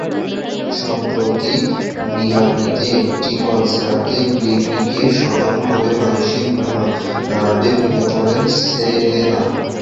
সম্প্রতি মিয়ামিতে একটি কনসার্টে গ্রিমিকে স্মরণ করে মানসিকভাবে ভেঙে পড়েন সেলেনা।